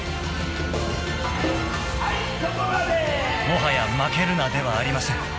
［もはや「負けるな」ではありません］